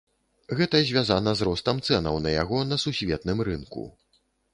Гэта звязана з ростам цэнаў на яго на сусветным рынку.